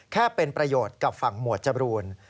แค่เป็นประโยชน์กับฝั่งหมวดจบรูน